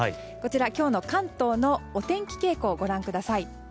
今日の関東のお天気傾向をご覧ください。